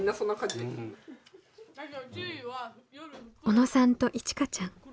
小野さんといちかちゃん。